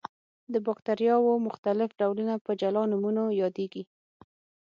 د باکتریاوو مختلف ډولونه په جلا نومونو یادیږي.